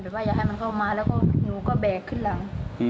ว่าอย่าให้มันเข้ามาแล้วก็หนูก็แบกขึ้นหลัง